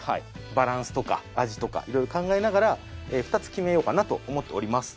バランスとか味とか色々考えながら２つ決めようかなと思っております。